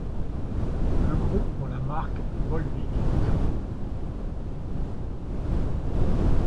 Le groupe pour la marque Volvic au Japon.